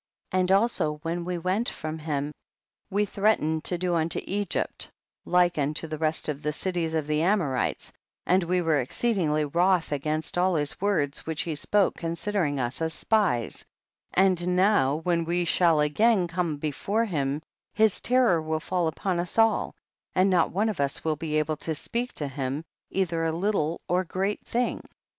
17. And also when we went from him, we threatened to do unto Egypt like unto the rest of the cities of the Amorites, and we were exceedingly wroth against all his words which he spoke considering us as spies, and now when we shall again come be fore him his terror will fall upon us all, and not one of us will be able to speak to him either a little or great thing.